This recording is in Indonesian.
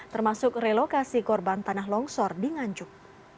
termasuk relokasi korban tanah longsor di nganjuk